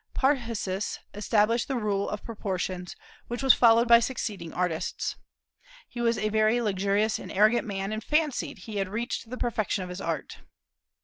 Parrhasius established the rule of proportions, which was followed by succeeding artists. He was a very luxurious and arrogant man, and fancied he had reached the perfection of his art.